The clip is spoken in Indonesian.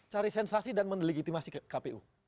cari sensasi dan mendelegitimasi kpu